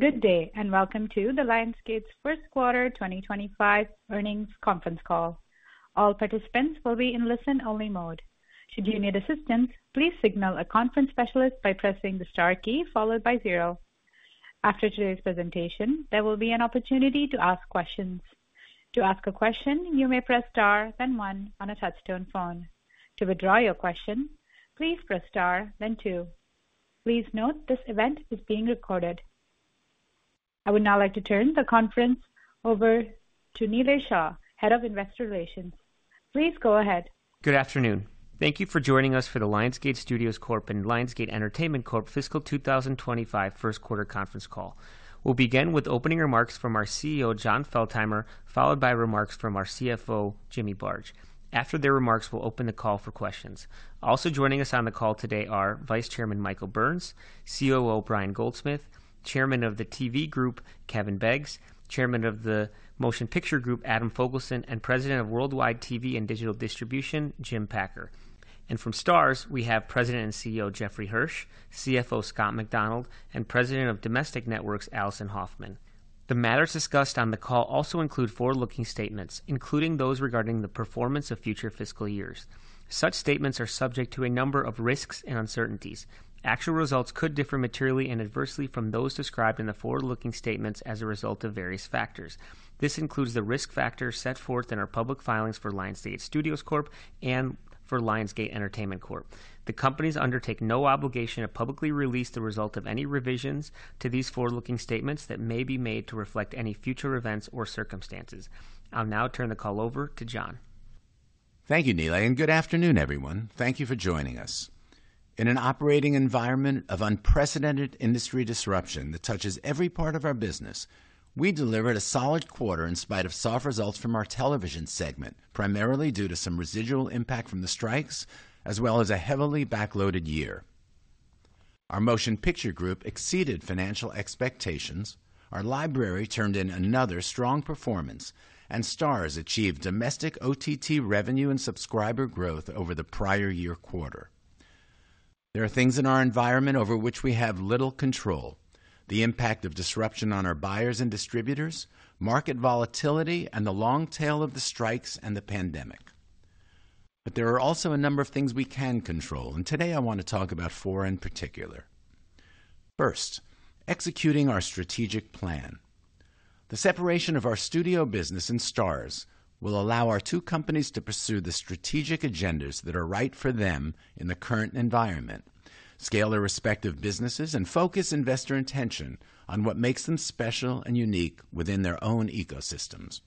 Good day, and welcome to the Lionsgate's Q1 2025 earnings conference call. All participants will be in listen-only mode. Should you need assistance, please signal a conference specialist by pressing the star key followed by zero. After today's presentation, there will be an opportunity to ask questions. To ask a question, you may press star, then one on a touchtone phone. To withdraw your question, please press star then two. Please note, this event is being recorded. I would now like to turn the conference over to Nilay Shah, Head of Investor Relations. Please go ahead. Good afternoon. Thank you for joining us for the Lionsgate Studios Corp. and Lionsgate Entertainment Corp. fiscal 2025 Q1 conference call. We'll begin with opening remarks from our CEO, Jon Feltheimer, followed by remarks from our CFO, James Barge. After their remarks, we'll open the call for questions. Also joining us on the call today are Vice Chairman Michael Burns, COO Brian Goldsmith, Chairman of the TV Group, Kevin Beggs, Chairman of the Motion Picture Group, Adam Fogelson, and President of Worldwide TV and Digital Distribution, Jim Packer. And from Starz, we have President and CEO Jeffrey Hirsch, CFO Scott MacDonald, and President of Domestic Networks, Alison Hoffman. The matters discussed on the call also include forward-looking statements, including those regarding the performance of future fiscal years. Such statements are subject to a number of risks and uncertainties. Actual results could differ materially and adversely from those described in the forward-looking statements as a result of various factors. This includes the risk factors set forth in our public filings for Lionsgate Studios Corp. and for Lionsgate Entertainment Corp. The companies undertake no obligation to publicly release the result of any revisions to these forward-looking statements that may be made to reflect any future events or circumstances. I'll now turn the call over to Jon. Thank you, Nilay, and good afternoon, everyone. Thank you for joining us. In an operating environment of unprecedented industry disruption that touches every part of our business, we delivered a solid quarter in spite of soft results from our television segment, primarily due to some residual impact from the strikes, as well as a heavily backloaded year. Our Motion Picture Group exceeded financial expectations, our library turned in another strong performance, and Starz achieved domestic OTT revenue and subscriber growth over the prior year quarter. There are things in our environment over which we have little control: the impact of disruption on our buyers and distributors, market volatility, and the long tail of the strikes and the pandemic. But there are also a number of things we can control, and today I want to talk about four in particular. First, executing our strategic plan. The separation of our studio business and Starz will allow our two companies to pursue the strategic agendas that are right for them in the current environment, scale their respective businesses, and focus investor attention on what makes them special and unique within their own ecosystems.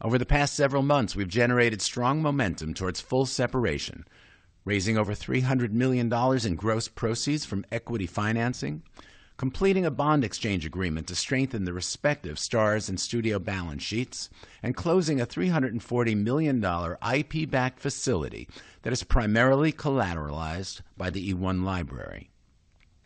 Over the past several months, we've generated strong momentum towards full separation, raising over $300 million in gross proceeds from equity financing, completing a bond exchange agreement to strengthen the respective Starz and Studio balance sheets, and closing a $340 million IP-backed facility that is primarily collateralized by the eOne library.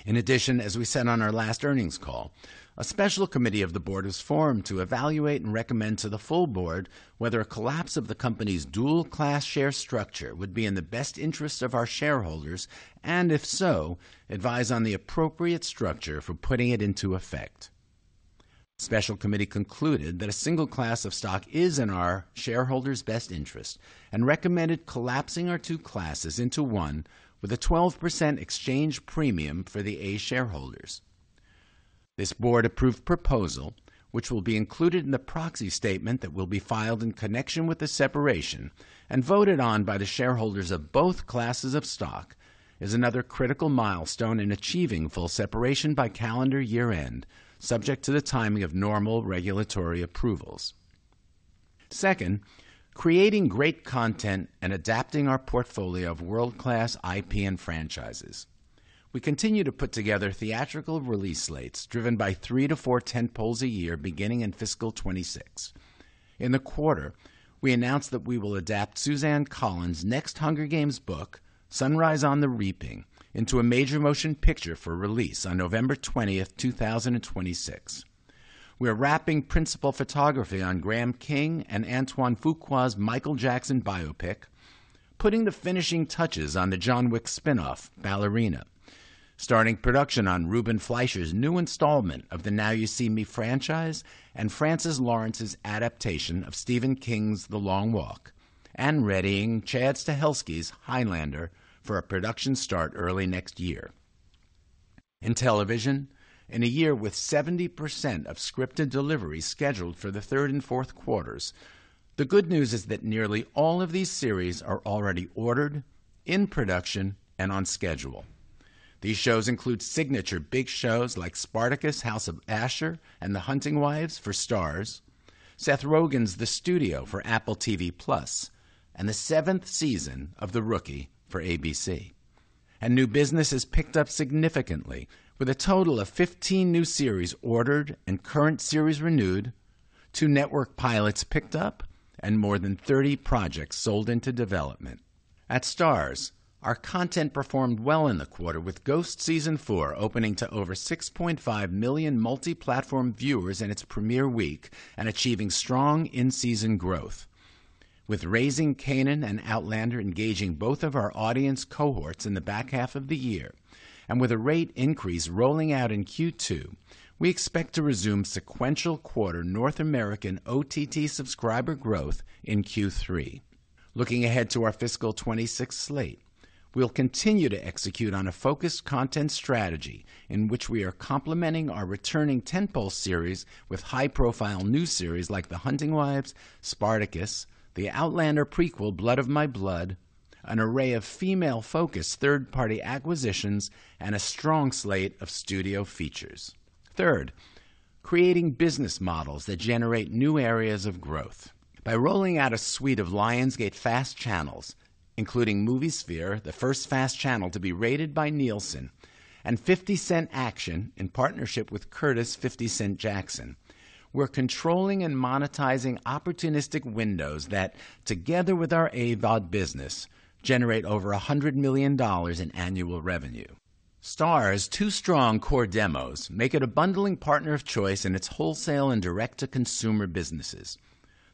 In addition, as we said on our last earnings call, a special committee of the board is formed to evaluate and recommend to the full board whether a collapse of the company's dual-class share structure would be in the best interest of our shareholders and, if so, advise on the appropriate structure for putting it into effect. Special Committee concluded that a single class of stock is in our shareholders' best interest and recommended collapsing our two classes into one with a 12% exchange premium for the A shareholders. This board-approved proposal, which will be included in the proxy statement that will be filed in connection with the separation and voted on by the shareholders of both classes of stock, is another critical milestone in achieving full separation by calendar year-end, subject to the timing of normal regulatory approvals. Second, creating great content and adapting our portfolio of world-class IP and franchises. We continue to put together theatrical release slates driven by 3-4 tentpoles a year, beginning in fiscal 2026. In the quarter, we announced that we will adapt Suzanne Collins' next Hunger Games book, Sunrise on the Reaping, into a major motion picture for release on November 20, 2026. We're wrapping principal photography on Graham King and Antoine Fuqua's Michael Jackson biopic, putting the finishing touches on the John Wick spinoff, Ballerina, starting production on Ruben Fleischer's new installment of the Now You See Me franchise and Francis Lawrence's adaptation of Stephen King's The Long Walk, and readying Chad Stahelski's Highlander for a production start early next year. In television, in a year with 70% of scripted deliveries scheduled for the Q3 and Q4, the good news is that nearly all of these series are already ordered, in production, and on schedule. These shows include signature big shows like Spartacus: House of Ashur and The Hunting Wives for Starz, Seth Rogen's The Studio for Apple TV+, and the seventh season of The Rookie for ABC. New business has picked up significantly with a total of 15 new series ordered and current series renewed, two network pilots picked up, and more than 30 projects sold into development. At Starz, our content performed well in the quarter, with Ghost season 4 opening to over 6.5 million multi-platform viewers in its premiere week and achieving strong in-season growth... With Raising Kanan and Outlander engaging both of our audience cohorts in the back half of the year, and with a rate increase rolling out in Q2, we expect to resume sequential quarter North American OTT subscriber growth in Q3. Looking ahead to our fiscal 2026 slate, we'll continue to execute on a focused content strategy in which we are complementing our returning tentpole series with high-profile new series like The Hunting Wives, Spartacus, the Outlander prequel, Blood of My Blood, an array of female-focused third-party acquisitions, and a strong slate of studio features. Third, creating business models that generate new areas of growth. By rolling out a suite of Lionsgate FASTchannels, including MovieSphere, the first FAST channels to be rated by Nielsen, and 50 Cent Action, in partnership with Curtis "50 Cent" Jackson, we're controlling and monetizing opportunistic windows that, together with our AVOD business, generate over $100 million in annual revenue. Starz's two strong core demos make it a bundling partner of choice in its wholesale and direct-to-consumer businesses.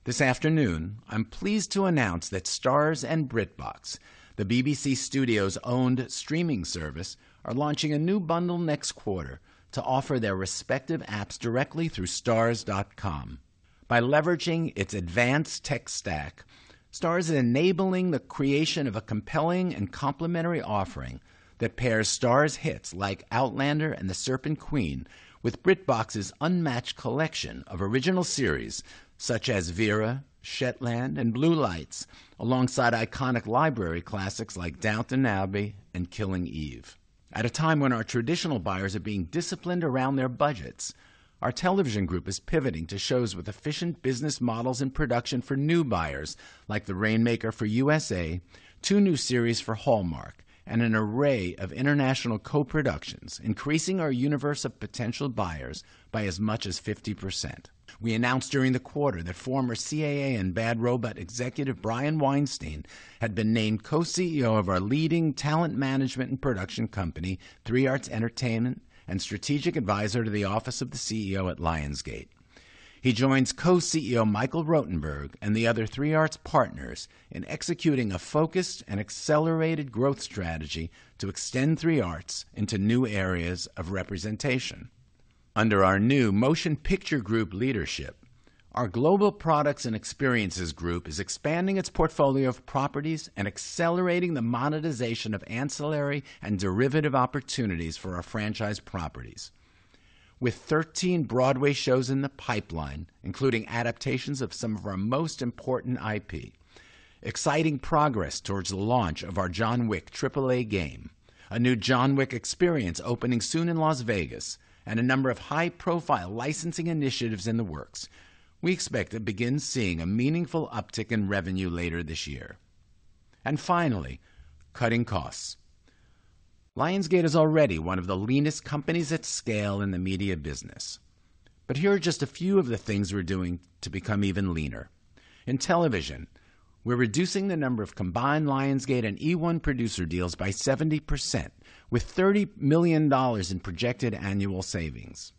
This afternoon, I'm pleased to announce that Starz and BritBox, the BBC Studios-owned streaming service, are launching a new bundle next quarter to offer their respective apps directly through starz.com. By leveraging its advanced tech stack, Starz is enabling the creation of a compelling and complementary offering that pairs Starz hits like Outlander and The Serpent Queen with BritBox's unmatched collection of original series, such as Vera, Shetland, and Blue Lights, alongside iconic library classics like Downton Abbey and Killing Eve. At a time when our traditional buyers are being disciplined around their budgets, our television group is pivoting to shows with efficient business models and production for new buyers, like The Rainmaker for USA, two new series for Hallmark, and an array of international co-productions, increasing our universe of potential buyers by as much as 50%. We announced during the quarter that former CAA and Bad Robot executive Brian Weinstein had been named co-CEO of our leading talent management and production company, 3 Arts Entertainment, and strategic advisor to the office of the CEO at Lionsgate. He joins Co-CEO Michael Rotenberg and the other 3 Arts partners in executing a focused and accelerated growth strategy to extend 3 Arts into new areas of representation. Under our new Motion Picture Group leadership, our global products and experiences group is expanding its portfolio of properties and accelerating the monetization of ancillary and derivative opportunities for our franchise properties. With 13 Broadway shows in the pipeline, including adaptations of some of our most important IP, exciting progress towards the launch of our John Wick AAA game, a new John Wick experience opening soon in Las Vegas, and a number of high-profile licensing initiatives in the works, we expect to begin seeing a meaningful uptick in revenue later this year. Finally, cutting costs. Lionsgate is already one of the leanest companies at scale in the media business, but here are just a few of the things we're doing to become even leaner. In television, we're reducing the number of combined Lionsgate and eOne producer deals by 70%, with $30 million in projected annual savings.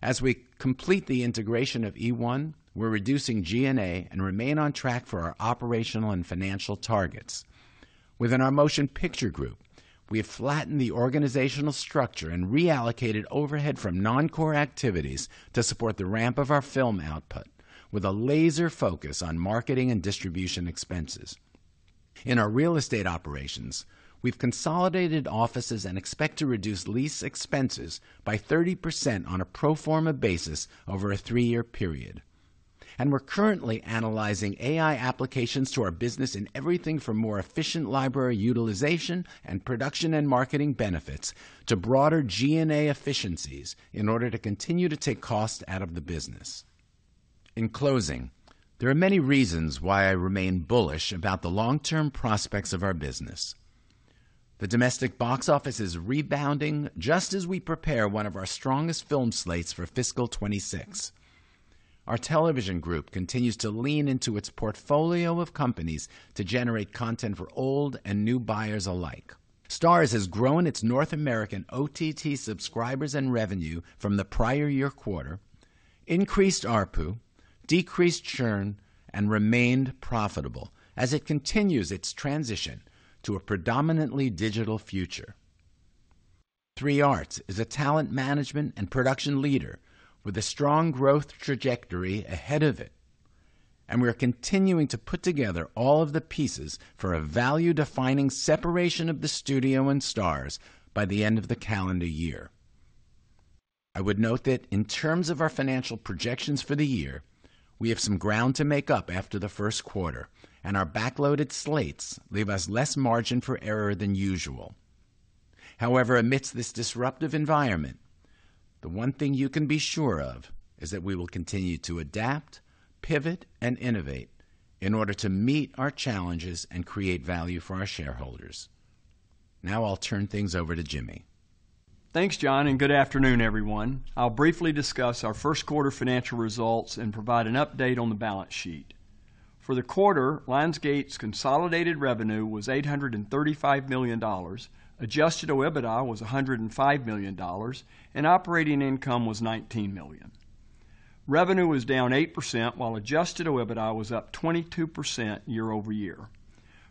As we complete the integration of eOne, we're reducing G&A and remain on track for our operational and financial targets. Within our motion picture group, we have flattened the organizational structure and reallocated overhead from non-core activities to support the ramp of our film output with a laser focus on marketing and distribution expenses. In our real estate operations, we've consolidated offices and expect to reduce lease expenses by 30% on a pro forma basis over a 3-year period. We're currently analyzing AI applications to our business in everything from more efficient library utilization and production and marketing benefits to broader G&A efficiencies in order to continue to take cost out of the business. In closing, there are many reasons why I remain bullish about the long-term prospects of our business. The domestic box office is rebounding just as we prepare one of our strongest film slates for fiscal 2026. Our television group continues to lean into its portfolio of companies to generate content for old and new buyers alike. Starz has grown its North American OTT subscribers and revenue from the prior year quarter, increased ARPU, decreased churn, and remained profitable as it continues its transition to a predominantly digital future. 3 Arts is a talent management and production leader with a strong growth trajectory ahead of it, and we are continuing to put together all of the pieces for a value-defining separation of the studio and Starz by the end of the calendar year. I would note that in terms of our financial projections for the year, we have some ground to make up after the Q1, and our backloaded slates leave us less margin for error than usual. However, amidst this disruptive environment, the one thing you can be sure of is that we will continue to adapt, pivot, and innovate in order to meet our challenges and create value for our shareholders. Now I'll turn things over to Jimmy. Thanks, Jon, and good afternoon, everyone. I'll briefly discuss our Q1 financial results and provide an update on the balance sheet. For the quarter, Lionsgate's consolidated revenue was $835 million. Adjusted OIBDA was $105 million, and operating income was $19 million. Revenue was down 8%, while adjusted OIBDA was up 22% year-over-year.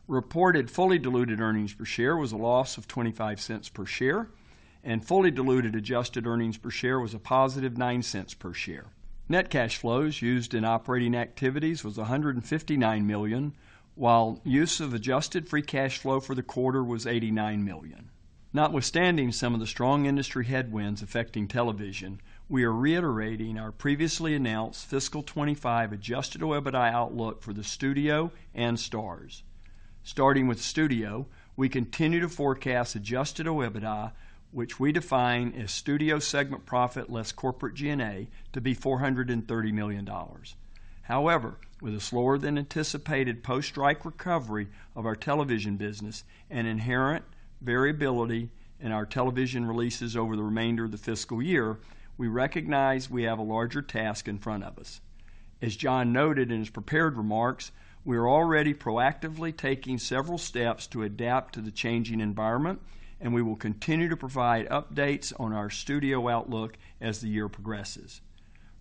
Reported fully diluted earnings per share was a loss of $0.25 per share, and fully diluted adjusted earnings per share was a positive $0.09 per share. Net cash flows used in operating activities was $159 million, while use of adjusted free cash flow for the quarter was $89 million. Notwithstanding some of the strong industry headwinds affecting television, we are reiterating our previously announced fiscal 2025 adjusted OIBDA outlook for the Studio and Starz. Starting with studio, we continue to forecast adjusted OIBDA, which we define as Studio segment profit less corporate G&A, to be $430 million. However, with a slower than anticipated post-strike recovery of our television business and inherent variability in our television releases over the remainder of the fiscal year, we recognize we have a larger task in front of us. As Jon noted in his prepared remarks, we are already proactively taking several steps to adapt to the changing environment, and we will continue to provide updates on our Studio outlook as the year progresses.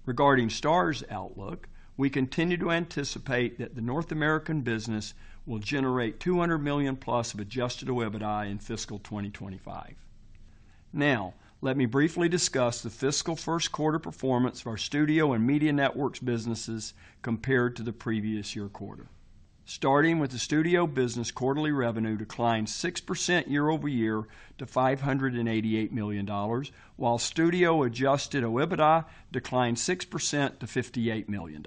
Regarding Starz outlook, we continue to anticipate that the North American business will generate $200 million+ of adjusted OIBDA in fiscal 2025. Now, let me briefly discuss the fiscal Q1 performance of our Studio and Media Networks businesses compared to the previous year quarter. Starting with the studio business, quarterly revenue declined 6% year-over-year to $588 million, while studio adjusted OIBDA declined 6% to $58 million.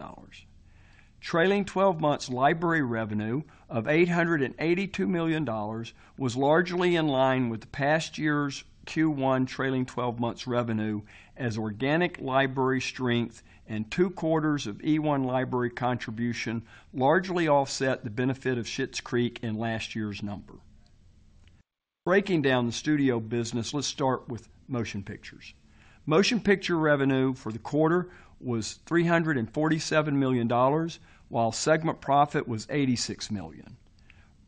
Trailing-twelve months library revenue of $882 million was largely in line with the past year's Q1 trailing-twelve months revenue, as organic library strength and 2 quarters of eOne Library contribution largely offset the benefit of Schitt's Creek in last year's number. Breaking down the Studio business, let's start with motion pictures. Motion picture revenue for the quarter was $347 million, while segment profit was $86 million.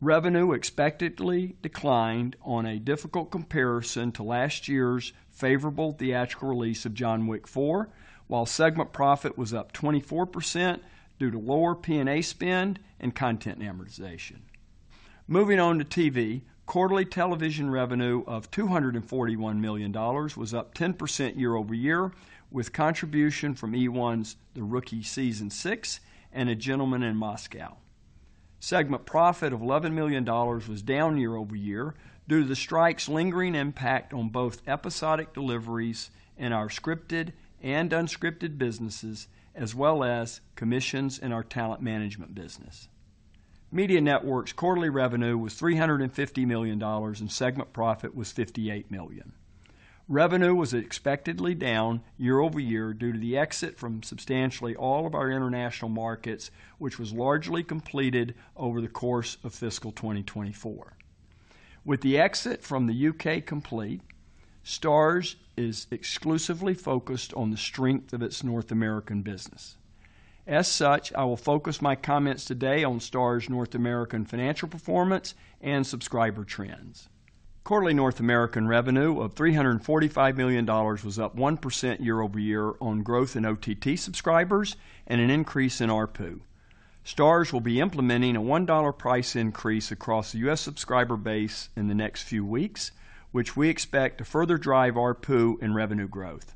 Revenue expectedly declined on a difficult comparison to last year's favorable theatrical release of John Wick 4, while segment profit was up 24% due to lower P&A spend and content amortization. Moving on to TV, quarterly television revenue of $241 million was up 10% year-over-year, with contribution from eOne's The Rookie Season Six and A Gentleman in Moscow. Segment profit of $11 million was down year-over-year due to the strike's lingering impact on both episodic deliveries and our scripted and unscripted businesses, as well as commissions in our talent management business. Media Networks quarterly revenue was $350 million, and segment profit was $58 million. Revenue was expectedly down year-over-year due to the exit from substantially all of our international markets, which was largely completed over the course of fiscal 2024. With the exit from the U.K. complete, Starz is exclusively focused on the strength of its North American business. As such, I will focus my comments today on Starz North American financial performance and subscriber trends. Quarterly North American revenue of $345 million was up 1% year-over-year on growth in OTT subscribers and an increase in ARPU. Starz will be implementing a $1 price increase across the U.S. subscriber base in the next few weeks, which we expect to further drive ARPU and revenue growth.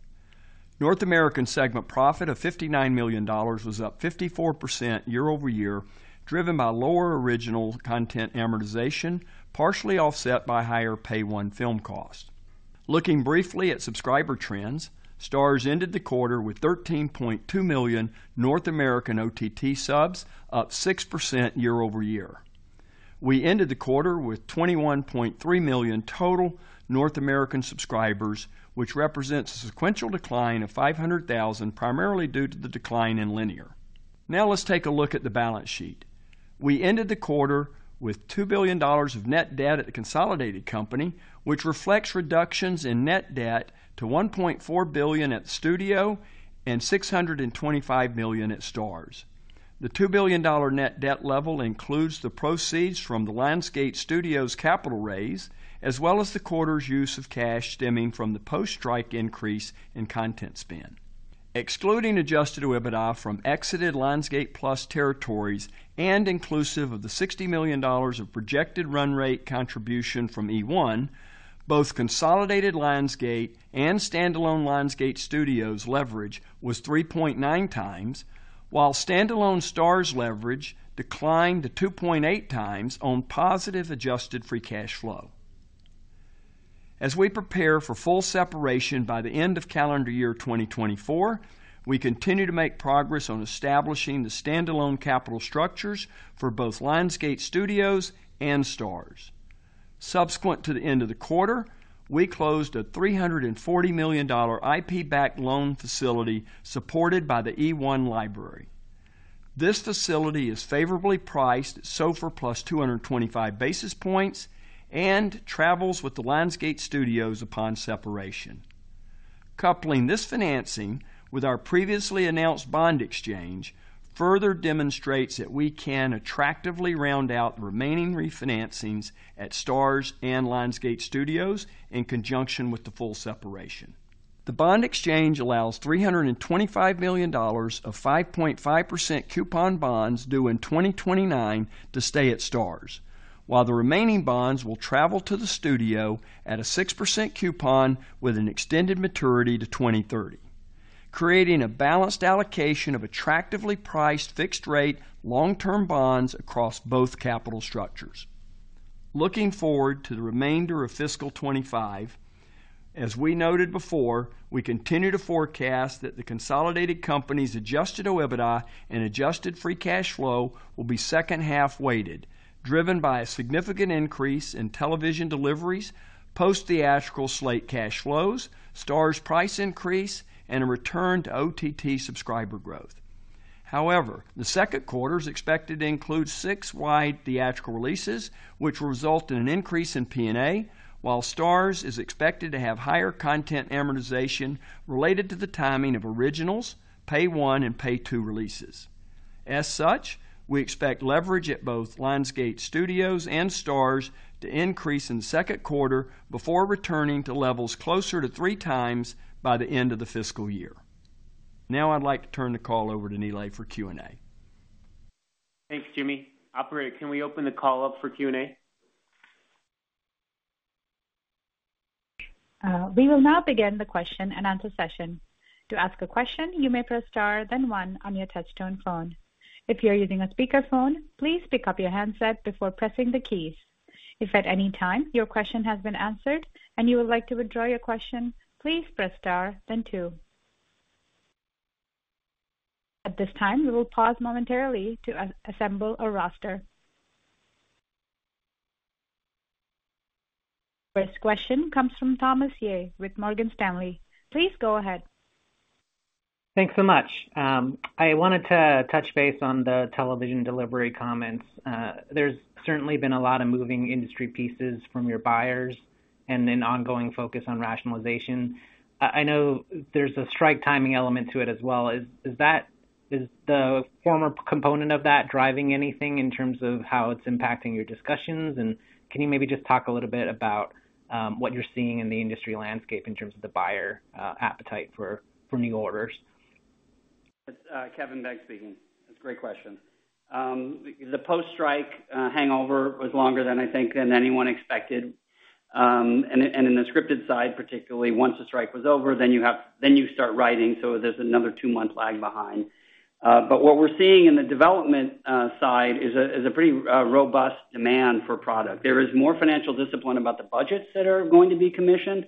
North American segment profit of $59 million was up 54% year-over-year, driven by lower original content amortization, partially offset by higher Pay 1 film cost. Looking briefly at subscriber trends, Starz ended the quarter with 13.2 million North American OTT subs, up 6% year-over-year. We ended the quarter with 21.3 million total North American subscribers, which represents a sequential decline of 500,000, primarily due to the decline in linear. Now let's take a look at the balance sheet. We ended the quarter with $2 billion of net debt at the consolidated company, which reflects reductions in net debt to $1.4 billion at studio and $625 million at Starz. The $2 billion net debt level includes the proceeds from the Lionsgate Studios capital raise, as well as the quarter's use of cash stemming from the post-strike increase in content spend. Excluding adjusted OIBDA from exited Lionsgate+ territories and inclusive of the $60 million of projected run rate contribution from eOne, both consolidated Lionsgate and standalone Lionsgate Studios leverage was 3.9 times, while standalone Starz leverage declined to 2.8 times on positive adjusted free cash flow. As we prepare for full separation by the end of calendar year 2024, we continue to make progress on establishing the standalone capital structures for both Lionsgate Studios and Starz. Subsequent to the end of the quarter, we closed a $340 million IP-backed loan facility supported by the eOne Library. This facility is favorably priced, SOFR + 225 basis points, and travels with the Lionsgate Studios upon separation. Coupling this financing with our previously announced bond exchange further demonstrates that we can attractively round out remaining refinancings at Starz and Lionsgate Studios in conjunction with the full separation. The bond exchange allows $325 million of 5.5% coupon bonds due in 2029 to stay at Starz, while the remaining bonds will travel to the studio at a 6% coupon with an extended maturity to 2030, creating a balanced allocation of attractively priced, fixed-rate, long-term bonds across both capital structures. Looking forward to the remainder of fiscal 2025, as we noted before, we continue to forecast that the consolidated company's adjusted OIBDA and adjusted free cash flow will be second half-weighted, driven by a significant increase in television deliveries, post-theatrical slate cash flows, Starz price increase, and a return to OTT subscriber growth. However, the Q2 is expected to include 6 wide theatrical releases, which will result in an increase in P&A, while Starz is expected to have higher content amortization related to the timing of originals, Pay 1 and Pay 2 releases. As such, we expect leverage at both Lionsgate Studios and Starz to increase in the Q2 before returning to levels closer to 3x by the end of the fiscal year. Now I'd like to turn the call over to Nilay for Q&A. Thanks, Jimmy. Operator, can we open the call up for Q&A? We will now begin the question-and-answer session. To ask a question, you may press star, then one on your touch-tone phone. If you are using a speakerphone, please pick up your handset before pressing the keys. If at any time your question has been answered and you would like to withdraw your question, please press star then two. At this time, we will pause momentarily to assemble a roster. First question comes from Thomas Yeh with Morgan Stanley. Please go ahead. Thanks so much. I wanted to touch base on the television delivery comments. There's certainly been a lot of moving industry pieces from your buyers and an ongoing focus on rationalization. I know there's a strike timing element to it as well. Is that the former component of that driving anything in terms of how it's impacting your discussions? And can you maybe just talk a little bit about what you're seeing in the industry landscape in terms of the buyer appetite for new orders? It's Kevin Beggs speaking. That's a great question. The post-strike hangover was longer than I think than anyone expected. In the scripted side, particularly, once the strike was over, then you have—then you start writing, so there's another two-month lag behind. But what we're seeing in the development side is a pretty robust demand for product. There is more financial discipline about the budgets that are going to be commissioned,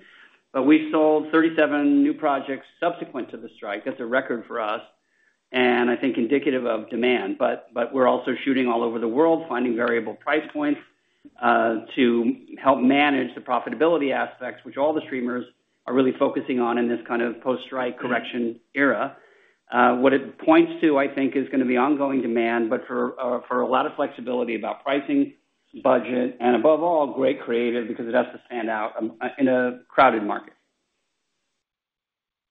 but we sold 37 new projects subsequent to the strike. That's a record for us, and I think indicative of demand. But we're also shooting all over the world, finding variable price points to help manage the profitability aspects, which all the streamers are really focusing on in this kind of post-strike correction era. What it points to, I think, is gonna be ongoing demand, but for a lot of flexibility about pricing, budget, and above all, great creative, because it has to stand out in a crowded market.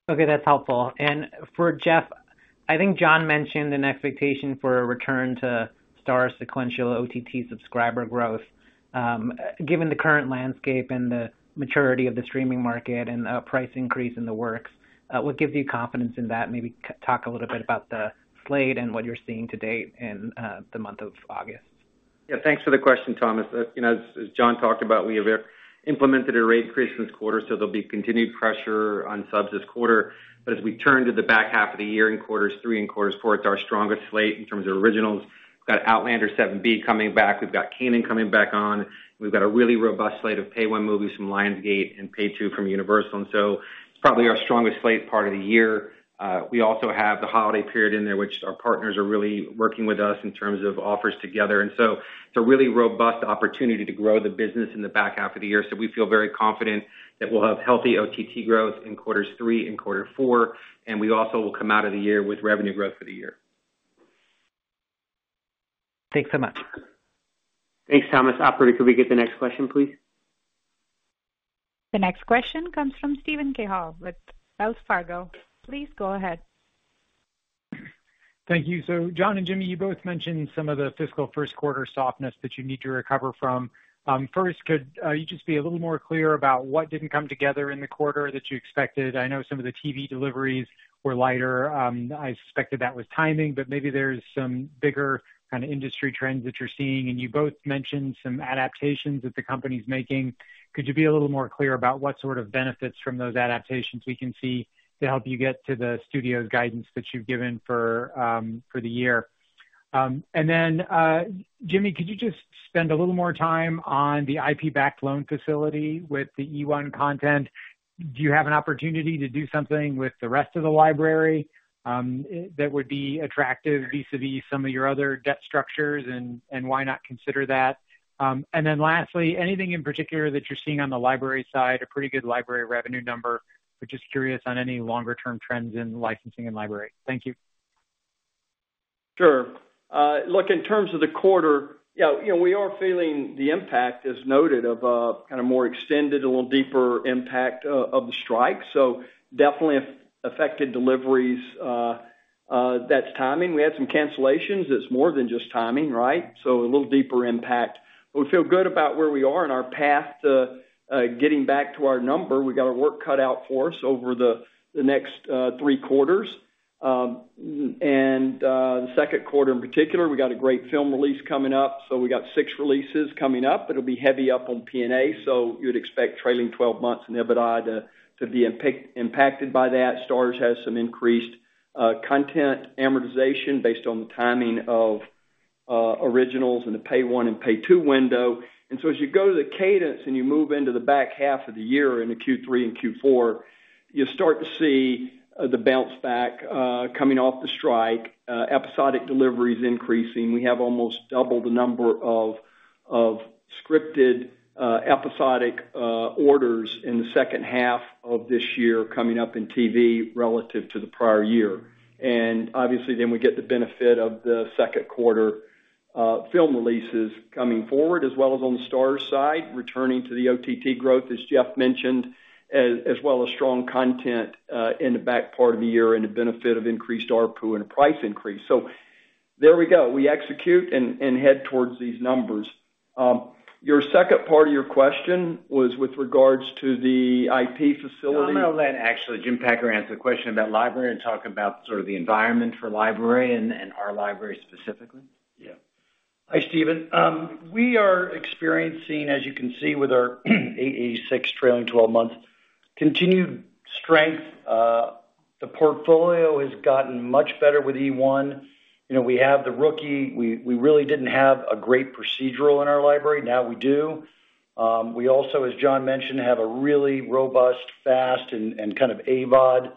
Okay, that's helpful. And for Jeff, I think Jon mentioned an expectation for a return to Starz sequential OTT subscriber growth. Given the current landscape and the maturity of the streaming market and a price increase in the works, what gives you confidence in that? Maybe talk a little bit about the slate and what you're seeing to date in the month of August. Yeah, thanks for the question, Thomas. You know, as, as Jon talked about, we have implemented a rate increase this quarter, so there'll be continued pressure on subs this quarter. But as we turn to the back half of the year, in quarters three and quarters four, it's our strongest slate in terms of originals. We've got Outlander 7B coming back. We've got Kanan coming back on. We've got a really robust slate of Pay 1 movies from Lionsgate and Pay 2 from Universal, and so it's probably our strongest slate part of the year. We also have the holiday period in there, which our partners are really working with us in terms of offers together. And so it's a really robust opportunity to grow the business in the back half of the year. We feel very confident that we'll have healthy OTT growth in Q3 and Q4, and we also will come out of the year with revenue growth for the year. Thanks so much. Thanks, Thomas. Operator, could we get the next question, please? The next question comes from Steven Cahall with Wells Fargo. Please go ahead. Thank you. So Jon and Jimmy, you both mentioned some of the fiscal Q1 softness that you need to recover from. First, could you just be a little more clear about what didn't come together in the quarter that you expected? I know some of the TV deliveries were lighter. I suspected that was timing, but maybe there's some bigger kind of industry trends that you're seeing, and you both mentioned some adaptations that the company's making. Could you be a little more clear about what sort of benefits from those adaptations we can see to help you get to the studio's guidance that you've given for the year? And then, Jimmy, could you just spend a little more time on the IP-backed loan facility with the eOne content? Do you have an opportunity to do something with the rest of the library, that would be attractive vis-a-vis some of your other debt structures, and, and why not consider that? And then lastly, anything in particular that you're seeing on the library side, a pretty good library revenue number, but just curious on any longer-term trends in licensing and library. Thank you. Sure. Look, in terms of the quarter, you know, you know, we are feeling the impact, as noted, of a kind of more extended, a little deeper impact of the strike. So definitely affected deliveries.... that's timing. We had some cancellations, that's more than just timing, right? So a little deeper impact. But we feel good about where we are in our path to getting back to our number. We've got our work cut out for us over the next three quarters. And the Q2, in particular, we got a great film release coming up, so we got six releases coming up. It'll be heavy up on P&A, so you'd expect trailing twelve months in EBITDA to be impacted by that. Starz has some increased content amortization based on the timing of originals in the Pay 1 and Pay 2 window. And so as you go to the cadence and you move into the back half of the year, into Q3 and Q4, you start to see the bounce back coming off the strike, episodic deliveries increasing. We have almost double the number of scripted episodic orders in the second half of this year coming up in TV relative to the prior year. And obviously, then we get the benefit of the Q2 film releases coming forward, as well as on the Starz side, returning to the OTT growth, as Jeff mentioned, as well as strong content in the back part of the year and the benefit of increased ARPU and a price increase. So there we go. We execute and head towards these numbers. Your second part of your question was with regards to the IP facility? I'm going to let actually, Jim Packer answer the question about library and talk about sort of the environment for library and our library specifically. Yeah. Hi, Stephen. We are experiencing, as you can see, with our 886 trailing 12 months, continued strength. The portfolio has gotten much better with eOne. You know, we have The Rookie. We really didn't have a great procedural in our library. Now we do. We also, as Jon mentioned, have a really robust, fast and kind of AVOD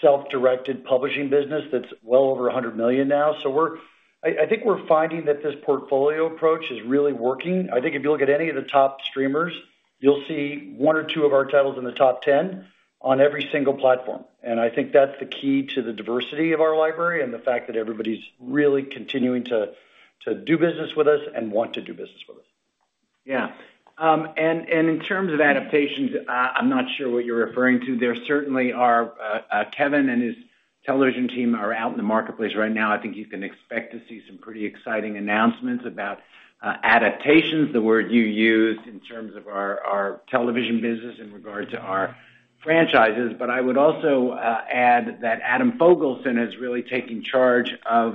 self-directed publishing business that's well over $100 million now. So we're finding that this portfolio approach is really working. I think if you look at any of the top streamers, you'll see one or two of our titles in the top 10 on every single platform. And I think that's the key to the diversity of our library and the fact that everybody's really continuing to do business with us and want to do business with us. Yeah. And in terms of adaptations, I'm not sure what you're referring to. There certainly are Kevin and his television team are out in the marketplace right now. I think you can expect to see some pretty exciting announcements about adaptations, the word you used in terms of our television business in regards to our franchises. But I would also add that Adam Fogelson is really taking charge of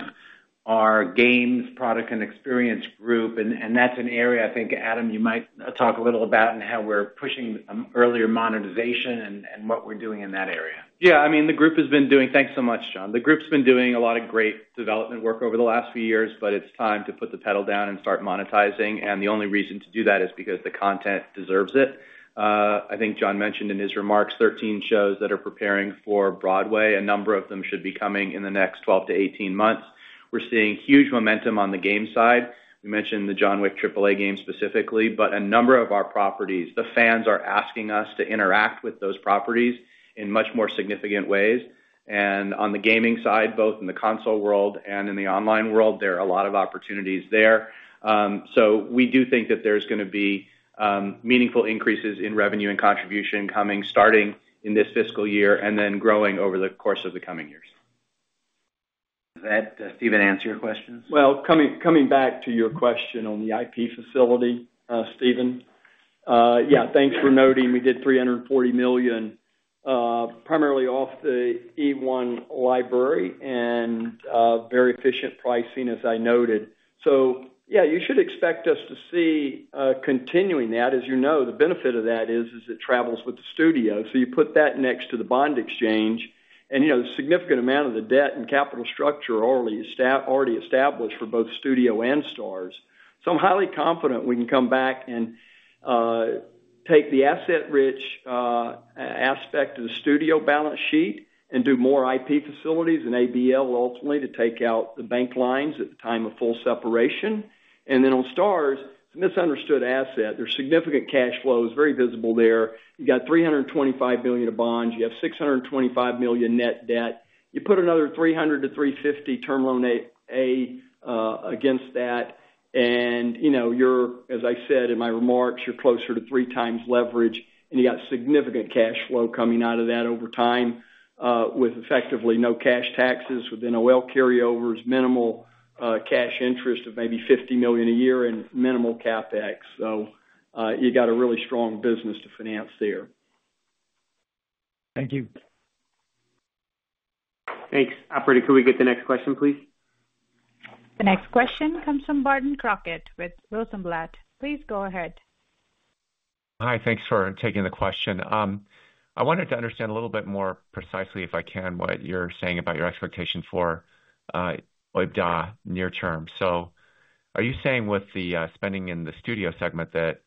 our games, product, and experience group, and that's an area I think, Adam, you might talk a little about and how we're pushing earlier monetization and what we're doing in that area. Yeah, I mean, the group has been doing... Thanks so much, Jon. The group's been doing a lot of great development work over the last few years, but it's time to put the pedal down and start monetizing, and the only reason to do that is because the content deserves it. I think Jon mentioned in his remarks, 13 shows that are preparing for Broadway. A number of them should be coming in the next 12-18 months. We're seeing huge momentum on the game side. We mentioned the John Wick AAA game specifically, but a number of our properties, the fans are asking us to interact with those properties in much more significant ways. And on the gaming side, both in the console world and in the online world, there are a lot of opportunities there. So we do think that there's gonna be meaningful increases in revenue and contribution coming, starting in this fiscal year and then growing over the course of the coming years. Does that, Steven, answer your questions? Well, coming back to your question on the IP facility, Steven. Yeah, thanks for noting we did $340 million, primarily off the eOne library and very efficient pricing, as I noted. So yeah, you should expect us to see continuing that. As you know, the benefit of that is it travels with the studio. So you put that next to the bond exchange, and you know, the significant amount of the debt and capital structure are already established for both Studio and Starz. So I'm highly confident we can come back and take the asset-rich aspect of the Studio balance sheet and do more IP facilities and ABL, ultimately, to take out the bank lines at the time of full separation. And then on Starz, a misunderstood asset. There's significant cash flows, very visible there. You got $325 billion of bonds, you have $625 million net debt. You put another $300-$350 million Term Loan A against that, and, you know, you're, as I said in my remarks, you're closer to 3x leverage, and you got significant cash flow coming out of that over time, with effectively no cash taxes within NOL carryovers, minimal cash interest of maybe $50 million a year and minimal CapEx. So, you got a really strong business to finance there. Thank you. Thanks. Operator, could we get the next question, please? The next question comes from Barton Crockett with Rosenblatt. Please go ahead. Hi, thanks for taking the question. I wanted to understand a little bit more precisely, if I can, what you're saying about your expectation for OIBDA near term. So are you saying with the spending in the Studio segment, that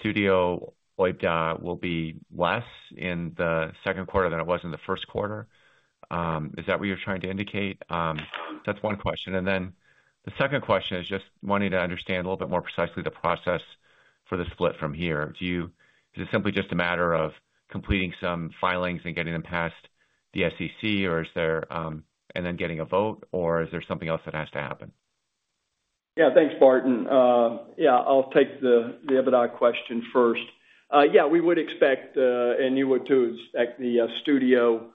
Studio OIBDA will be less in the Q2 than it was in the Q1? Is that what you're trying to indicate? That's one question. And then the second question is just wanting to understand a little bit more precisely the process for the split from here. Is it simply just a matter of completing some filings and getting them past the SEC, or is there, and then getting a vote, or is there something else that has to happen?... Yeah, thanks, Barton. Yeah, I'll take the EBITDA question first. Yeah, we would expect, and you would, too, expect the studio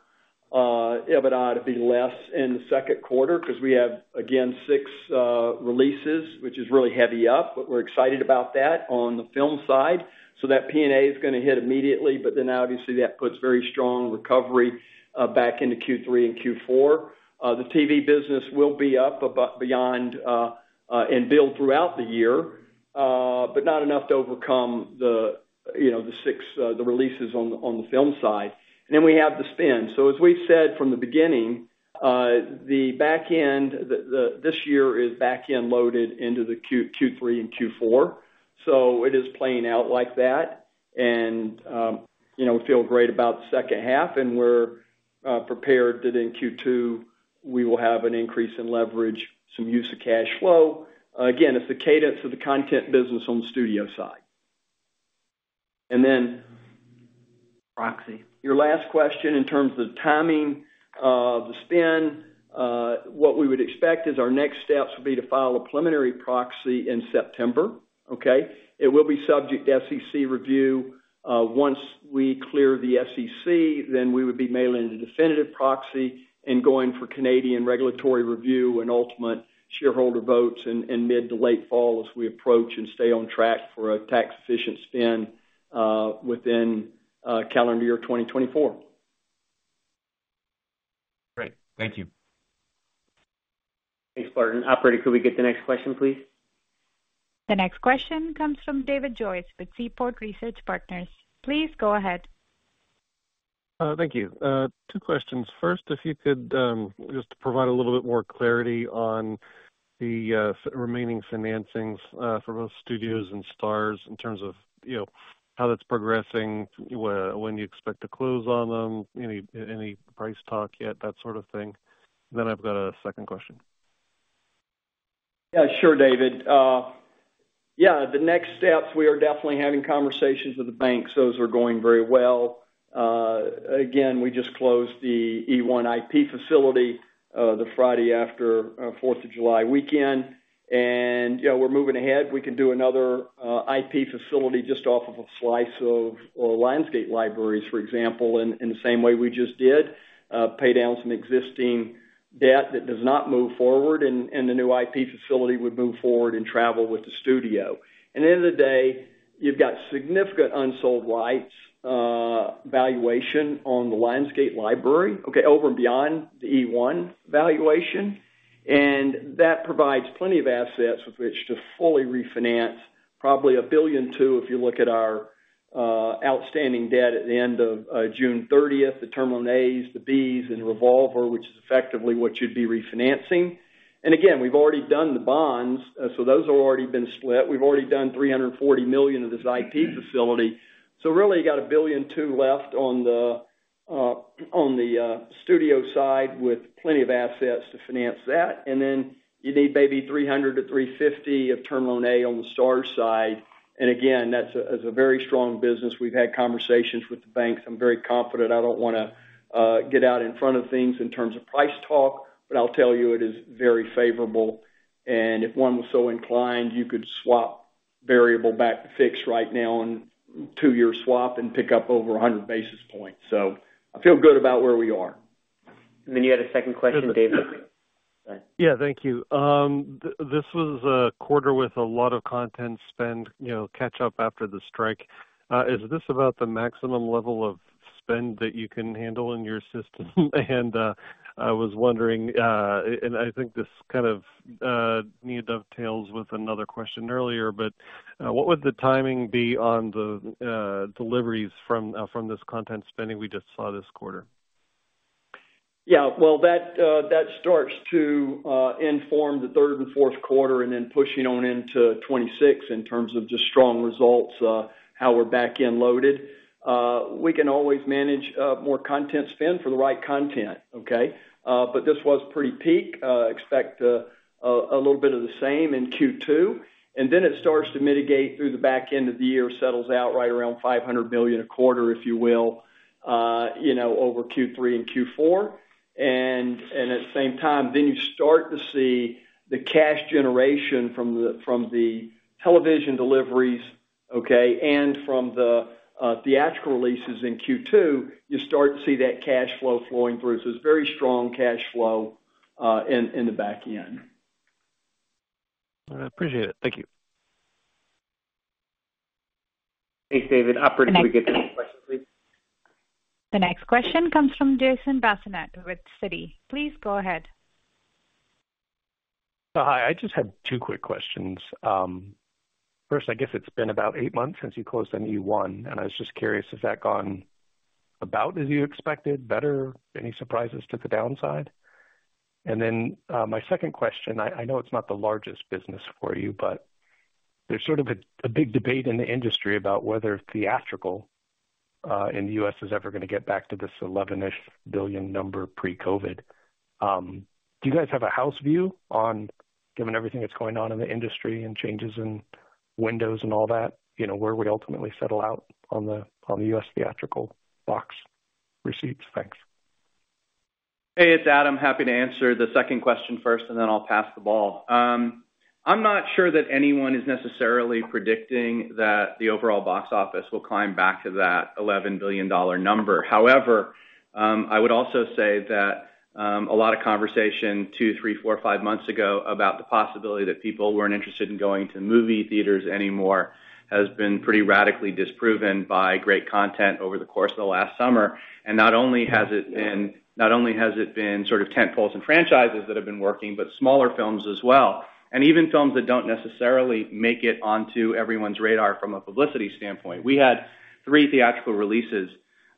EBITDA to be less in the Q2 because we have, again, 6 releases, which is really heavy up, but we're excited about that on the film side. So that P&A is gonna hit immediately, but then obviously, that puts very strong recovery back into Q3 and Q4. The TV business will be up above, beyond, and build throughout the year, but not enough to overcome the, you know, the 6 releases on the film side. And then we have the spin. So as we've said from the beginning, the back end, this year is back-end loaded into the Q3 and Q4, so it is playing out like that. And, you know, we feel great about the second half, and we're prepared that in Q2, we will have an increase in leverage, some use of cash flow. Again, it's the cadence of the content business on the studio side. And then- Proxy. Your last question, in terms of the timing of the spin, what we would expect is our next steps will be to file a preliminary proxy in September, okay? It will be subject to SEC review. Once we clear the SEC, then we would be mailing the definitive proxy and going for Canadian regulatory review and ultimate shareholder votes in mid to late fall as we approach and stay on track for a tax-efficient spin, within calendar year 2024. Great. Thank you. Thanks, Barton. Operator, could we get the next question, please? The next question comes from David Joyce with Seaport Research Partners. Please go ahead. Thank you. Two questions. First, if you could just provide a little bit more clarity on the remaining financings for both studios and stars in terms of, you know, how that's progressing, when you expect to close on them, any price talk yet, that sort of thing. Then I've got a second question. Yeah, sure, David. Yeah, the next steps, we are definitely having conversations with the banks. Those are going very well. Again, we just closed the eOne IP facility, the Friday after Fourth of July weekend. Yeah, we're moving ahead. We can do another IP facility just off of a slice of Lionsgate libraries, for example, in the same way we just did, pay down some existing debt that does not move forward, and the new IP facility would move forward and travel with the studio. At the end of the day, you've got significant unsold rights, valuation on the Lionsgate library, okay, over and beyond the eOne valuation, and that provides plenty of assets with which to fully refinance probably $1.2 billion, if you look at our outstanding debt at the end of June 30, the Term Loan As, the Bs and revolver, which is effectively what you'd be refinancing. And again, we've already done the bonds, so those have already been split. We've already done $340 million of this IP facility. So really, you got $1.2 billion left on the studio side, with plenty of assets to finance that. And then you need maybe $300-$350 of term loan A on the Starz side. And again, that's a very strong business. We've had conversations with the banks. I'm very confident. I don't wanna get out in front of things in terms of price talk, but I'll tell you it is very favorable, and if one was so inclined, you could swap variable back to fixed right now on 2-year swap and pick up over 100 basis points. So I feel good about where we are. Then you had a second question, David? Yeah, thank you. This was a quarter with a lot of content spend, you know, catch up after the strike. Is this about the maximum level of spend that you can handle in your system? And I was wondering, and I think this kind of maybe dovetails with another question earlier, but what would the timing be on the deliveries from this content spending we just saw this quarter? Yeah, well, that, that starts to inform the third and fourth quarter and then pushing on into 2026 in terms of just strong results, how we're back-end loaded. We can always manage more content spend for the right content, okay? But this was pretty peak. Expect a little bit of the same in Q2, and then it starts to mitigate through the back end of the year, settles out right around $500 million a quarter, if you will, you know, over Q3 and Q4. And at the same time, then you start to see the cash generation from the television deliveries, okay, and from the theatrical releases in Q2, you start to see that cash flow flowing through. So it's very strong cash flow in the back end. I appreciate it. Thank you. Thanks, David. Operator, can we get the next question, please? The next question comes from Jason Bazinet with Citi. Please go ahead. Hi, I just had 2 quick questions. First, I guess it's been about 8 months since you closed on eOne, and I was just curious, has that gone about as you expected, better? Any surprises to the downside? And then, my second question, I know it's not the largest business for you, but there's sort of a big debate in the industry about whether theatrical in the U.S. is ever gonna get back to this $11-ish billion number pre-COVID. Do you guys have a house view on, given everything that's going on in the industry and changes in windows and all that, you know, where we ultimately settle out on the U.S. theatrical box receipts? Thanks.... Hey, it's Adam. Happy to answer the second question first, and then I'll pass the ball. I'm not sure that anyone is necessarily predicting that the overall box office will climb back to that $11 billion number. However, I would also say that a lot of conversation, 2, 3, 4, 5 months ago, about the possibility that people weren't interested in going to movie theaters anymore, has been pretty radically disproven by great content over the course of the last summer. And not only has it been, not only has it been sort of tentpoles and franchises that have been working, but smaller films as well, and even films that don't necessarily make it onto everyone's radar from a publicity standpoint. We had 3 theatrical releases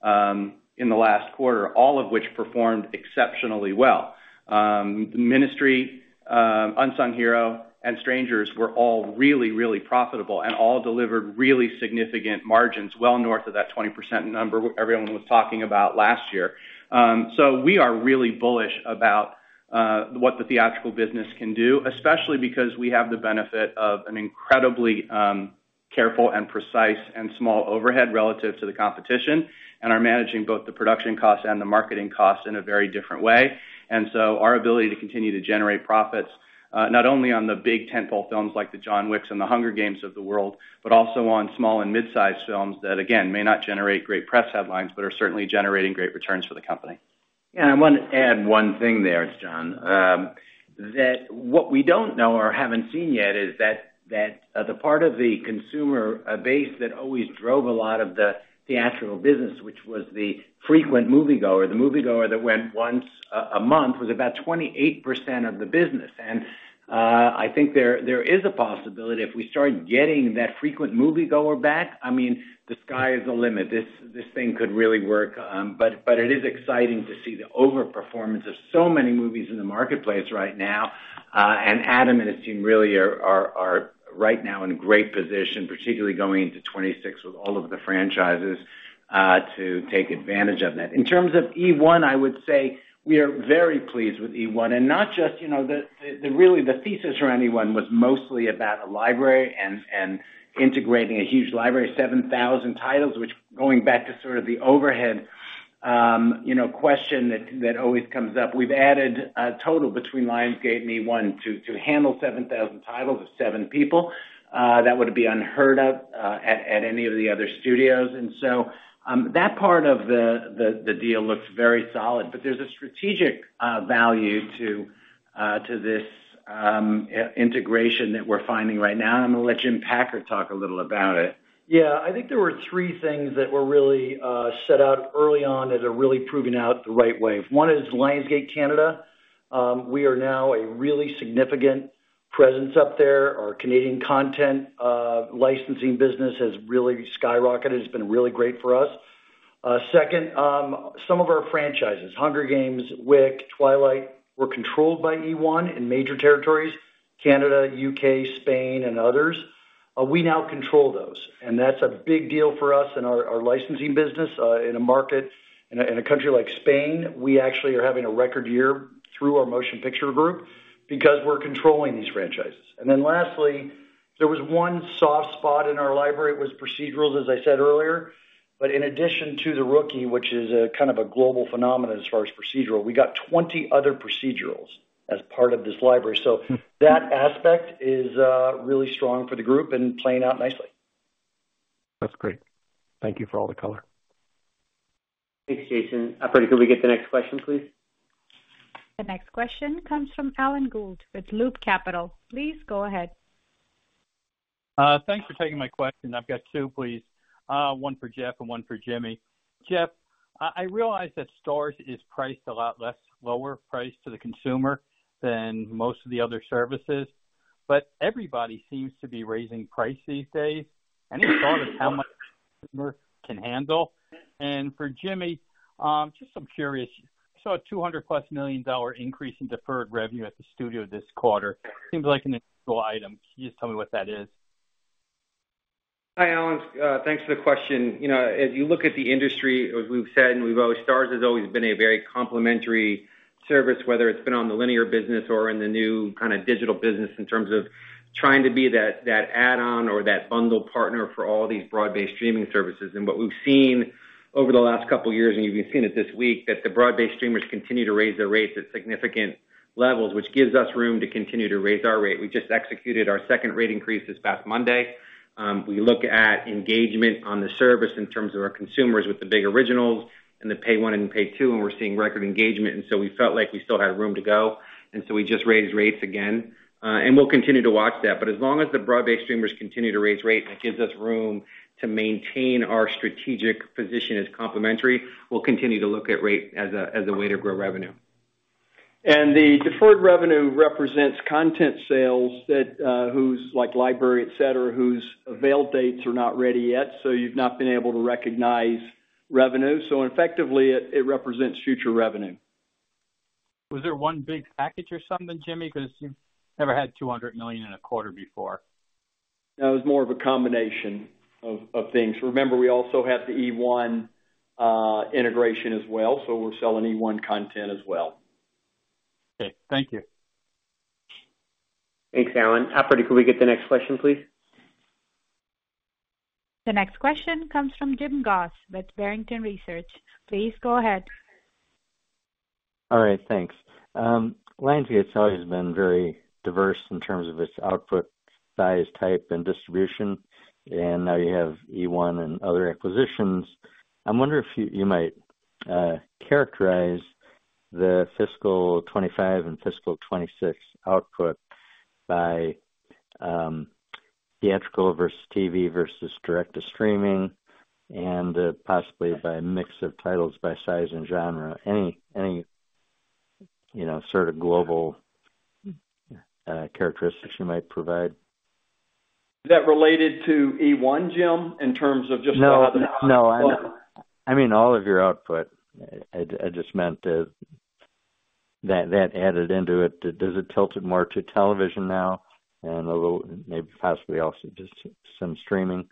in the last quarter, all of which performed exceptionally well. Ministry, Unsung Hero, and Strangers were all really, really profitable and all delivered really significant margins, well north of that 20% number everyone was talking about last year. So we are really bullish about what the theatrical business can do, especially because we have the benefit of an incredibly careful and precise and small overhead relative to the competition, and are managing both the production costs and the marketing costs in a very different way. And so our ability to continue to generate profits not only on the big tentpole films like the John Wicks and the Hunger Games of the world, but also on small and mid-size films, that again, may not generate great press headlines, but are certainly generating great returns for the company. Yeah, I want to add one thing there, it's Jon. That what we don't know or haven't seen yet is that the part of the consumer base that always drove a lot of the theatrical business, which was the frequent moviegoer, the moviegoer that went once a month, was about 28% of the business. And I think there is a possibility if we start getting that frequent moviegoer back, I mean, the sky is the limit. This thing could really work. But it is exciting to see the overperformance of so many movies in the marketplace right now. And Adam and his team really are right now in a great position, particularly going into 2026 with all of the franchises to take advantage of that. In terms of eOne, I would say we are very pleased with eOne, and not just, you know, the really, the thesis for anyone was mostly about a library and integrating a huge library, 7,000 titles, which going back to sort of the overhead, you know, question that always comes up. We've added a total between Lionsgate and eOne to handle 7,000 titles of seven people, that would be unheard of at any of the other studios. And so, that part of the deal looks very solid. But there's a strategic value to this integration that we're finding right now. I'm going to let Jim Packer talk a little about it. Yeah. I think there were three things that were really, set out early on that are really proving out the right way. One is Lionsgate, Canada. We are now a really significant presence up there. Our Canadian content, licensing business has really skyrocketed. It's been really great for us. Second, some of our franchises, Hunger Games, Wick, Twilight, were controlled by eOne in major territories, Canada, U.K., Spain, and others. We now control those, and that's a big deal for us and our, our licensing business, in a market. In a, in a country like Spain, we actually are having a record year through our motion picture group because we're controlling these franchises. And then lastly, there was one soft spot in our library. It was procedurals, as I said earlier, but in addition to The Rookie, which is a kind of a global phenomenon as far as procedural, we got 20 other procedurals as part of this library. So that aspect is, really strong for the group and playing out nicely. That's great. Thank you for all the color. Thanks, Jason. Operator, could we get the next question, please? The next question comes from Alan Gould with Loop Capital. Please go ahead. Thanks for taking my question. I've got two, please. One for Jeff and one for Jimmy. Jeff, I realize that Starz is priced a lot less, lower price to the consumer than most of the other services, but everybody seems to be raising prices these days. I know how much consumer can handle. And for Jimmy, just I'm curious, I saw a $200 million-plus increase in deferred revenue at the studio this quarter. Seems like an individual item. Can you just tell me what that is? Hi, Alan. Thanks for the question. You know, as you look at the industry, as we've said, and we've always, Starz has always been a very complementary service, whether it's been on the linear business or in the new kind of digital business, in terms of trying to be that, that add-on or that bundle partner for all these broad-based streaming services. And what we've seen over the last couple of years, and you've been seeing it this week, that the broad-based streamers continue to raise their rates at significant levels, which gives us room to continue to raise our rate. We just executed our second rate increase this past Monday. We look at engagement on the service in terms of our consumers with the big originals and the Pay 1 and Pay 2, and we're seeing record engagement, and so we felt like we still had room to go, and so we just raised rates again. And we'll continue to watch that. But as long as the broad-based streamers continue to raise rates, that gives us room to maintain our strategic position as complementary. We'll continue to look at rate as a, as a way to grow revenue. The deferred revenue represents content sales that, whose, like, library, et cetera, whose avail dates are not ready yet, so you've not been able to recognize revenue. So effectively, it represents future revenue. Was there one big package or something, Jimmy? Because you've never had $200 million in a quarter before. That was more of a combination of, of things. Remember, we also have the eOne integration as well, so we're selling eOne content as well. Okay. Thank you. Thanks, Alan. Operator, could we get the next question, please? The next question comes from Jim Goss with Barrington Research. Please go ahead. All right, thanks. Lionsgate has always been very diverse in terms of its output, size, type, and distribution, and now you have eOne and other acquisitions. I'm wondering if you, you might, characterize the fiscal 2025 and fiscal 2026 output by, theatrical versus TV versus direct-to-streaming, and, possibly by mix of titles by size and genre. Any, any, you know, sort of global, characteristics you might provide. Is that related to eOne, Jim, in terms of just- No, no, I know. I mean, all of your output. I just meant that added into it. Does it tilt it more to television now and a little, maybe possibly also just some streaming?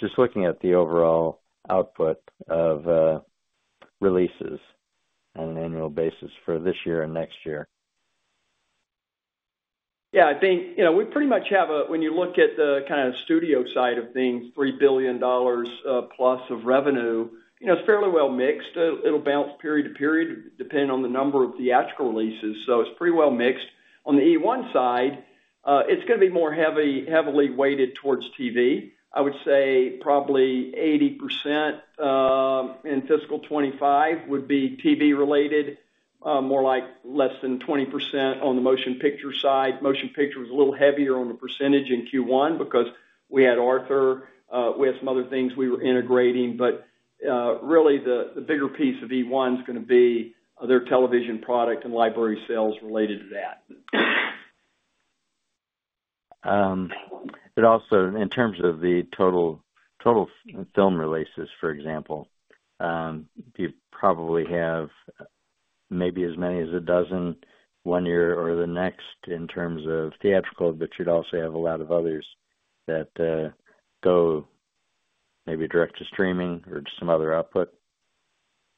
Just looking at the overall output of releases on an annual basis for this year and next year. Yeah, I think, you know, we pretty much have a. When you look at the kind of studio side of things, $3 billion plus of revenue, you know, it's fairly well mixed. It'll bounce period to period, depending on the number of theatrical releases, so it's pretty well mixed. On the eOne side, it's gonna be more heavily weighted towards TV. I would say probably 80%, in fiscal 2025 would be TV related, more like less than 20% on the motion picture side. Motion picture was a little heavier on the percentage in Q1 because we had Arthur, we had some other things we were integrating. But, really, the bigger piece of eOne is gonna be their television product and library sales related to that. But also in terms of the total, total film releases, for example, you probably have maybe as many as a dozen one year or the next in terms of theatrical, but you'd also have a lot of others that go maybe direct to streaming or just some other output.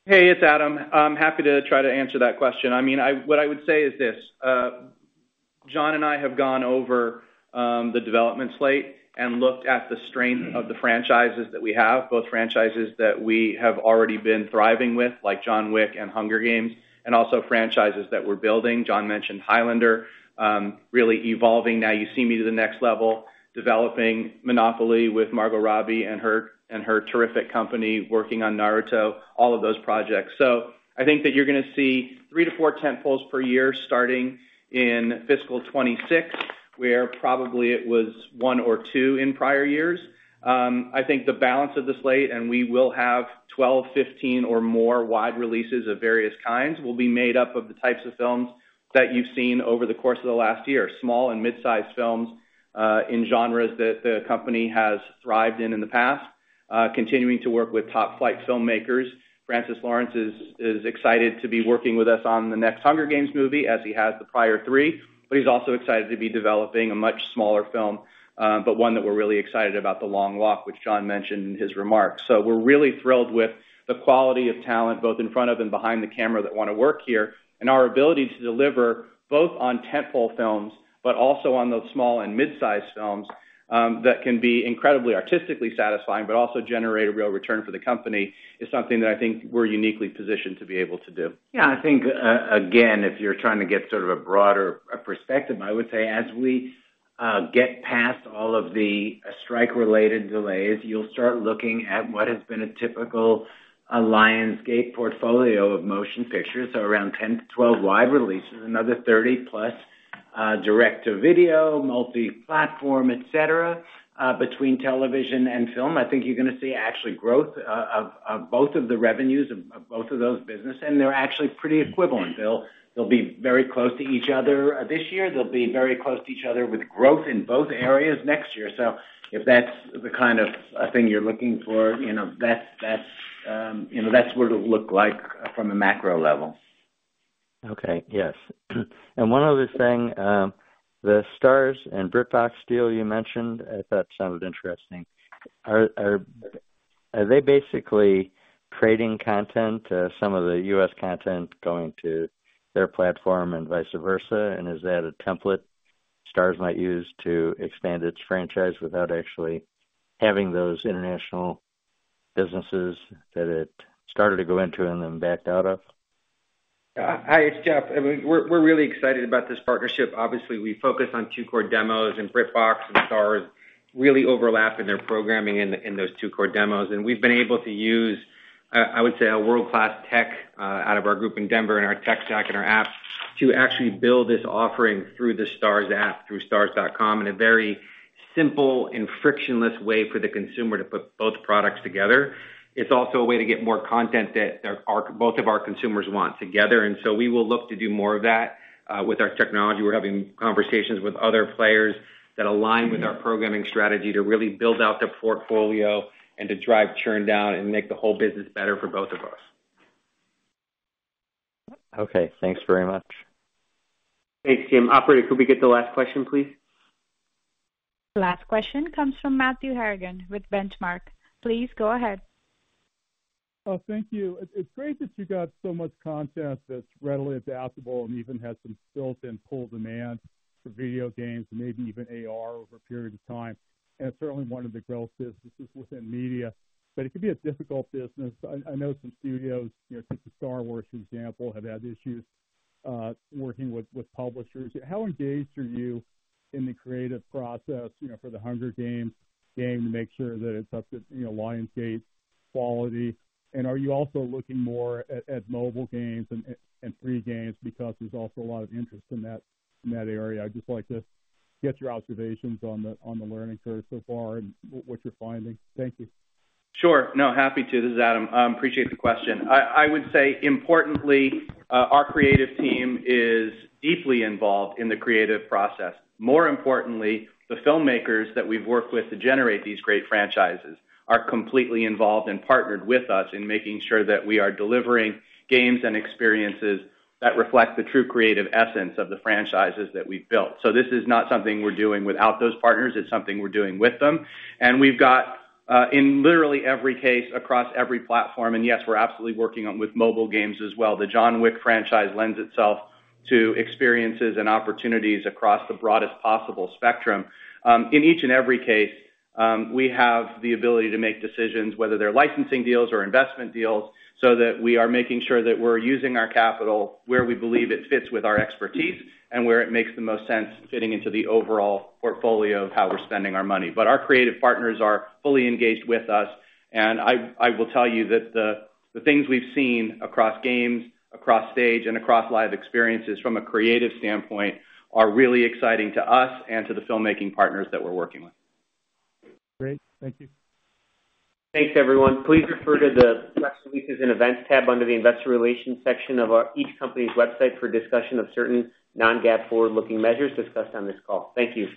Hey, it's Adam. I'm happy to try to answer that question. I mean, what I would say is this, Jon and I have gone over the development slate and looked at the strength of the franchises that we have, both franchises that we have already been thriving with, like John Wick and Hunger Games, and also franchises that we're building. Jon mentioned Highlander, really evolving Now You See Me to the next level, developing Monopoly with Margot Robbie and her, and her terrific company, working on Naruto, all of those projects. So I think that you're gonna see 3-4 tentpoles per year, starting in fiscal 2026, where probably it was 1 or 2 in prior years. I think the balance of the slate, and we will have 12, 15, or more wide releases of various kinds, will be made up of the types of films that you've seen over the course of the last year. Small and mid-sized films in genres that the company has thrived in, in the past. Continuing to work with top-flight filmmakers. Francis Lawrence is excited to be working with us on the next Hunger Games movie, as he has the prior three, but he's also excited to be developing a much smaller film, but one that we're really excited about, The Long Walk, which Jon mentioned in his remarks. So we're really thrilled with the quality of talent, both in front of and behind the camera, that wanna work here. Our ability to deliver, both on tentpole films, but also on those small and mid-sized films, that can be incredibly artistically satisfying but also generate a real return for the company, is something that I think we're uniquely positioned to be able to do. Yeah, I think, again, if you're trying to get sort of a broader perspective, I would say, as we get past all of the strike-related delays, you'll start looking at what has been a typical Lionsgate portfolio of motion pictures. So around 10-12 wide releases, another 30+ direct-to-video, multi-platform, et cetera. Between television and film, I think you're gonna see actually growth of both of the revenues of both of those businesses, and they're actually pretty equivalent. They'll be very close to each other this year. They'll be very close to each other with growth in both areas next year. So if that's the kind of thing you're looking for, you know, that's what it'll look like from a macro level. Okay. Yes. And one other thing, the Starz and BritBox deal you mentioned, I thought sounded interesting. Are they basically creating content, some of the U.S. content going to their platform and vice versa? And is that a template Starz might use to expand its franchise without actually having those international businesses that it started to go into and then backed out of? Hi, it's Jeff. I mean, we're, we're really excited about this partnership. Obviously, we focus on two core demos, and BritBox and Starz really overlap in their programming in those two core demos. And we've been able to use, I would say, a world-class tech out of our group in Denver and our tech stack and our app, to actually build this offering through the Starz app, through starz.com, in a very simple and frictionless way for the consumer to put both products together. It's also a way to get more content that our- both of our consumers want together, and so we will look to do more of that with our technology. We're having conversations with other players that align with our programming strategy to really build out the portfolio and to drive churn down and make the whole business better for both of us. Okay, thanks very much. Thanks, Jim. Operator, could we get the last question, please? Last question comes from Matthew Harrigan with Benchmark. Please go ahead.... Oh, thank you. It's, it's great that you got so much content that's readily adaptable and even has some built-in pull demand for video games and maybe even AR over a period of time, and it's certainly one of the growth businesses within media. But it could be a difficult business. I, I know some studios, you know, since the Star Wars, for example, have had issues working with, with publishers. How engaged are you in the creative process, you know, for the Hunger Games game, to make sure that it's up to, you know, Lionsgate quality? And are you also looking more at, at mobile games and, and free games because there's also a lot of interest in that, in that area? I'd just like to get your observations on the, on the learning curve so far and what you're finding. Thank you. Sure. No, happy to. This is Adam. Appreciate the question. I would say, importantly, our creative team is deeply involved in the creative process. More importantly, the filmmakers that we've worked with to generate these great franchises are completely involved and partnered with us in making sure that we are delivering games and experiences that reflect the true creative essence of the franchises that we've built. So this is not something we're doing without those partners; it's something we're doing with them. And we've got, in literally every case, across every platform, and yes, we're absolutely working on with mobile games as well. The John Wick franchise lends itself to experiences and opportunities across the broadest possible spectrum. In each and every case, we have the ability to make decisions, whether they're licensing deals or investment deals, so that we are making sure that we're using our capital where we believe it fits with our expertise and where it makes the most sense fitting into the overall portfolio of how we're spending our money. But our creative partners are fully engaged with us, and I will tell you that the things we've seen across games, across stage, and across live experiences from a creative standpoint, are really exciting to us and to the filmmaking partners that we're working with. Great. Thank you. Thanks, everyone. Please refer to the Press Releases and Events tab under the Investor Relations section of our, each company's website for discussion of certain non-GAAP forward-looking measures discussed on this call. Thank you.